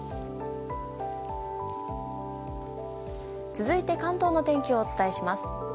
続いて、関東の天気をお伝えします。